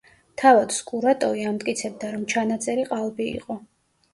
თავად სკურატოვი ამტკიცებდა, რომ ჩანაწერი ყალბი იყო.